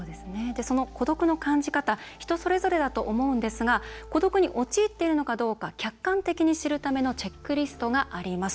その孤独の感じ方人それぞれだと思うんですが孤独に陥っているのかどうか客観的に知るためのチェックリストがあります。